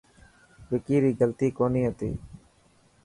وڪي ري غلطي ڪوني هتي.